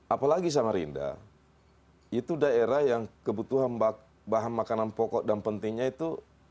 apalagi samarinda itu daerah yang kebutuhan bahan makanan pokok dan pentingnya itu